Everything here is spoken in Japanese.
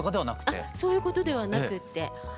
そういうことではなくって。